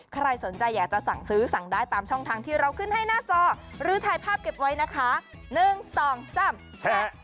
ใครสนใจอยากจะสั่งซื้อสั่งได้ตามช่องทางที่เราขึ้นให้หน้าจอหรือถ่ายภาพเก็บไว้นะคะ๑๒๓แชท